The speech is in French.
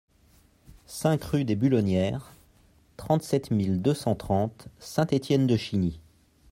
cinq rue des Bulonnières, trente-sept mille deux cent trente Saint-Étienne-de-Chigny